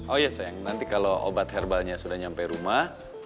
oh iya sayang nanti kalau obat herbalnya sudah sampai rumah